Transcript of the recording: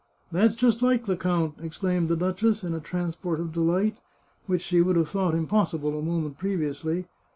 " That's just like the count !" exclaimed the duchess, in a transport of delight, which she would have thought im possible a moment previously.